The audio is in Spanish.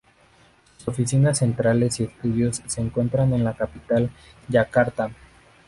Sus oficinas centrales y estudios se encuentran en la capital, Yakarta.